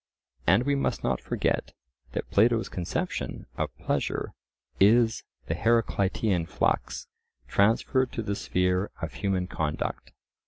And we must not forget that Plato's conception of pleasure is the Heracleitean flux transferred to the sphere of human conduct.